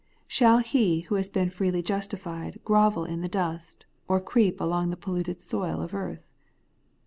Shall he who has been freely justified grovel in the dust, or creep along the polluted soil of earth